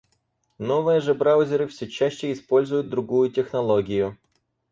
Новые же браузеры всё чаще используют другую технологию.